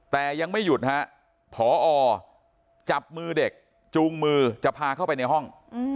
แต่ยังไม่หยุดฮะพอจับมือเด็กจูงมือจะพาเข้าไปในห้อง